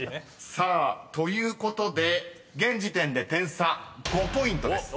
［さあということで現時点で点差５ポイントです］